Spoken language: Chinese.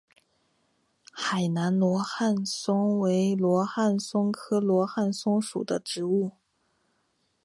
海南罗汉松为罗汉松科罗汉松属的植物。